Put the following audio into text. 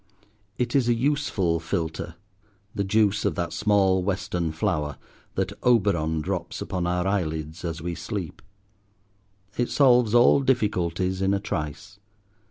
It is a useful philtre, the juice of that small western flower, that Oberon drops upon our eyelids as we sleep. It solves all difficulties in a trice.